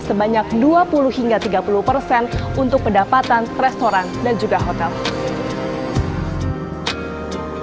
sebanyak dua puluh hingga tiga puluh persen untuk pendapatan restoran dan juga hotel